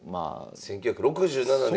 １９６７年。